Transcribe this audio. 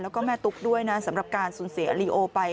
แล้วก็แม่ตุ๊กด้วยนะสำหรับการสูญเสียลีโอไป